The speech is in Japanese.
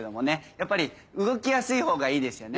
やっぱり動きやすい方がいいですよね。